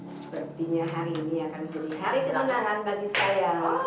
sepertinya hari ini akan menjadi hari kedengaran bagi saya